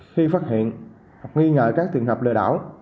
khi phát hiện hoặc nghi ngờ các tình hợp lừa đảo